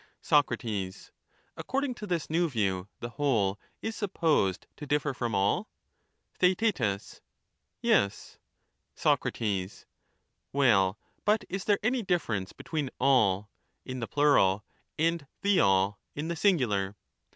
Soc, According to this new view, the whole is supposed to differ from all? Theaet, Yes. Soc, Well, but is there any difference between all [in the But aU in plural] and the all [in the singular]